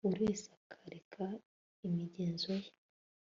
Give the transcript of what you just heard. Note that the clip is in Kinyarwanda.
buri wese akareka imigenzo ye